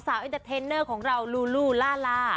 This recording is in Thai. เอ็นเตอร์เทนเนอร์ของเราลูลูล่าล่า